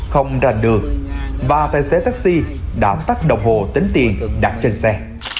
không rành đường và tên xe taxi đã tắt đồng hồ tính tiền đặt trên xe